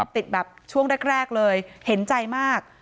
แบบช่วงแรกเลยเห็นใจมาก